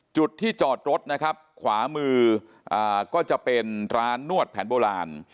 จุดที่จอดรถนะครับขวามือก็จะเป็นร้านนวดแผนโบราณ